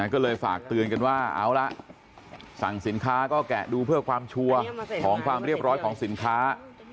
ก็เลยฝากเตือนกันว่าเอาละสั่งสินค้าก็แกะดูเพื่อความชัวร์ของความเรียบร้อยของสินค้า